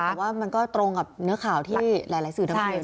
แต่ว่ามันก็ตรงกับเนื้อข่าวที่หลายสื่อทำเพลง